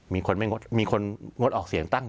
มีคนงดออกเสียงตั้ง๗๐